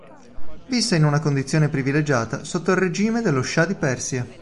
Visse in una condizione privilegiata sotto il regime dello Scià di Persia.